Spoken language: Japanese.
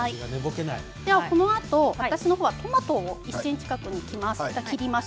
このあと私の方はトマトを１ｃｍ角に切ります。